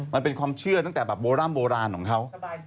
มันเป็นความเชื่อตั้งแต่โบราณของเขา